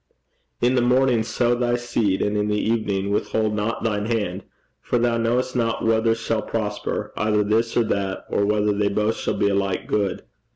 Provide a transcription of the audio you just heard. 'In the morning sow thy seed, and in the evening withhold not thine hand: for thou knowest not whether shall prosper, either this or that, or whether they both shall be alike good.'